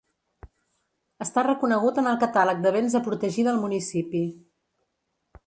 Està reconegut en el catàleg de béns a protegir del municipi.